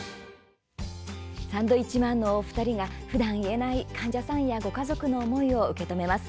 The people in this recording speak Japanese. サンドウィッチマンのお二人が、ふだん言えない患者さんやご家族の思いを受け止めます。